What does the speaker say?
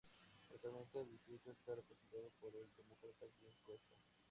Actualmente el distrito está representado por el Demócrata Jim Costa.